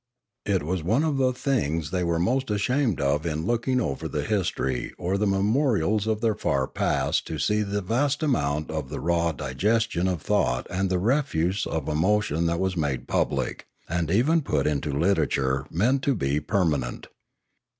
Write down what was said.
It was one of the things they were most ashamed of in looking over the history or the memorials of their far past to see the vast amount of the raw digestion of thought and of the refuse of emotion that was made public, and even put into literature meant to be per manent.